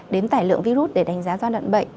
đến tải lượng virus để đánh giá do đoạn bệnh